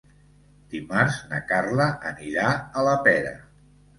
Dimarts na Carla anirà a la Pera.